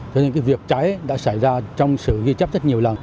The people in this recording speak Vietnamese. thế nên việc cháy đã xảy ra trong sự ghi chấp rất nhiều lần